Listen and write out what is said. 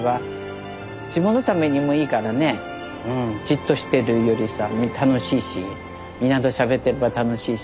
じっとしてるよりさ楽しいしみんなとしゃべってれば楽しいし。